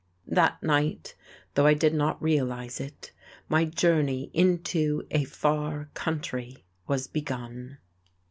That night, though I did not realize it, my journey into a Far Country was begun.